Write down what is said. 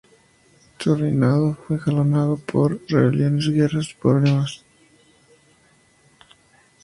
Su reinado fue jalonado por rebeliones, guerras y problemas.